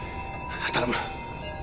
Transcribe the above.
頼む。